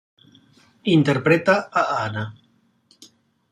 Interpreta a Anna.